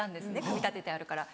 組み立ててあるから。